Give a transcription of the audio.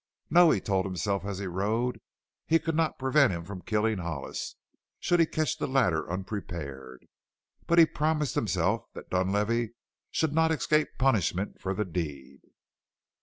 No, he told himself as he rode, he could not prevent him from killing Hollis, should he catch the latter unprepared, but he promised himself that Dunlavey should not escape punishment for the deed.